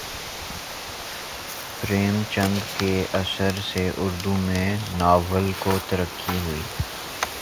پریم چند کے اثر سے اردو میں ناول کو ترقی ہوئی